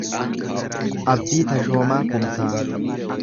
Abdii Tashoomaa Kumsaa